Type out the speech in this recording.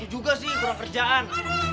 juga sih kurang kerjaan